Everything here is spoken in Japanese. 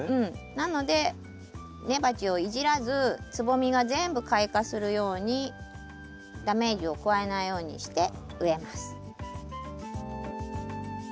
なので根鉢をいじらずつぼみが全部開花するようにダメージを加えないようにして植えます。